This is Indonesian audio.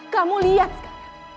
kamu lihat sekarang